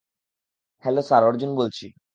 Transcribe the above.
Hello, sir, Arjun বলছি।